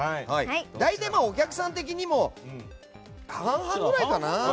大体、お客さん的にも半々くらいかな？